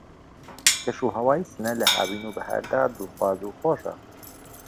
کەش و ھەوای سنە لە ھاوین و بەھار دا دڵخواز و خۆشە